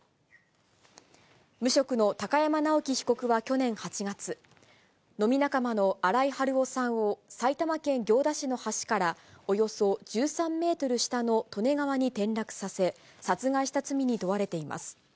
無職の高山尚紀被告は去年８月、飲み仲間の新井治雄さんを埼玉県行田市の橋から、およそ１３メートル下の利根川に転落させ、殺害した罪に問われています。